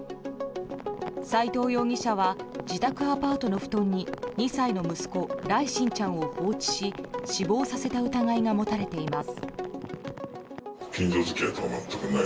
斉藤容疑者は自宅アパートの布団に２歳の息子・來心ちゃんを放置し死亡させた疑いが持たれています。